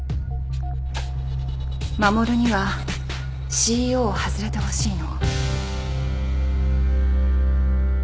衛にはＣＥＯを外れてほしいの。